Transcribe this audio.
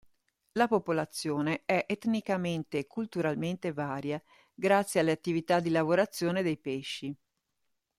La popolazione è etnicamente e culturalmente varia grazie delle attività di lavorazione dei pesci.